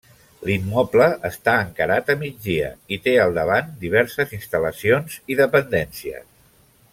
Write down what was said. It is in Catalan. L'immoble està encarat a migdia i té al davant diverses instal·lacions i dependències.